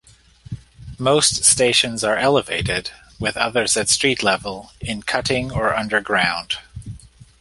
Most stations are elevated, with others at street level, in cutting or underground.